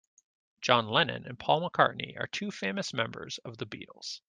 John Lennon and Paul McCartney are two famous members of the Beatles.